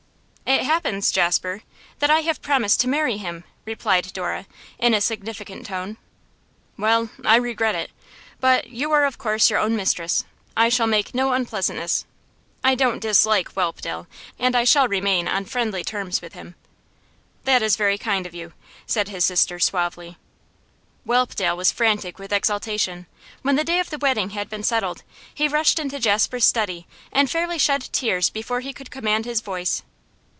'It happens, Jasper, that I have promised to marry him,' replied Dora, in a significant tone. 'Well, I regret it, but you are of course your own mistress. I shall make no unpleasantness. I don't dislike Whelpdale, and I shall remain on friendly terms with him.' 'That is very kind of you,' said his sister suavely. Whelpdale was frantic with exultation. When the day of the wedding had been settled, he rushed into Jasper's study and fairly shed tears before he could command his voice.